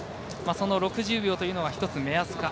その６０秒というのが一つ目安か。